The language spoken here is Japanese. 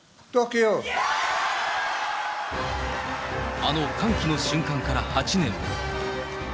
あの歓喜の瞬間から８年。